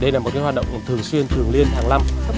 đây là một hoạt động thường xuyên thường liên hàng năm